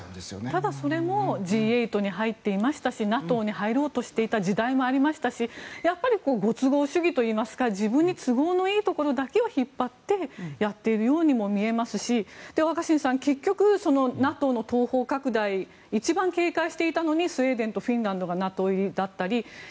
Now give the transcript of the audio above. ただ、それもＧ８に入っていましたしＮＡＴＯに入ろうとしていた時代もありましたしご都合主義といいますか自分に都合のいいところだけを引っ張ってやっているようにも見えますし若新さん結局、ＮＡＴＯの東方拡大一番警戒していたのにスウェーデンとフィンランドがＮＡＴＯ入りだったり。